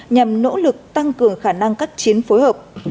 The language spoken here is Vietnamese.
nhằm nỗ lực tăng cường khả năng các chiến phối hợp